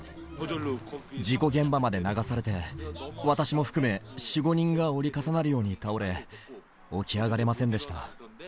事故現場まで流されて、私も含め、４、５人が折り重なるように倒れ、起き上がれませんでした。